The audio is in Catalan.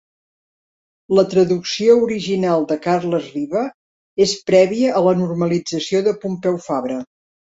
La traducció original de Carles Riba és prèvia a la normalització de Pompeu Fabra.